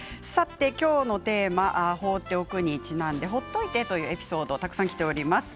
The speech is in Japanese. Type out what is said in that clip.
きょうのテーマ放っておくにちなんでほっといてというエピソードたくさんきています。